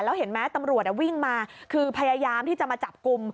แล้วเห็นไหมตำรวจวิ่งมาคือพยายามที่จะมาจับกลุ่ม